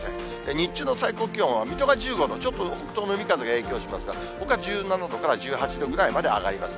日中の最高気温は水戸が１５度、ちょっと北東の海風が影響しますが、ほか１７度から１８度ぐらいまで上がります。